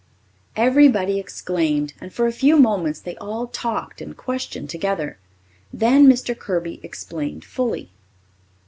Everybody exclaimed and for a few moments they all talked and questioned together. Then Mr. Kirby explained fully.